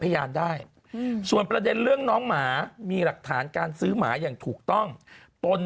พยานได้ส่วนประเด็นเรื่องน้องหมามีหลักฐานการซื้อหมาอย่างถูกต้องตน